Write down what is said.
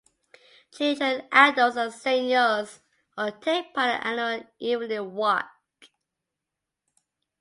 Children, adults, and seniors all take part in the annual evening walk.